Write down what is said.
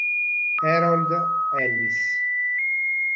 Harold Ellis